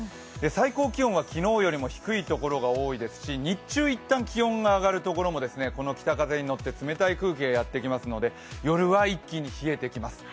最高気温は昨日よりも低いところが多いですし日中、一旦気温が上がるところもこの北風にのって冷たい空気がやってきますので、夜は一気に冷えてきます。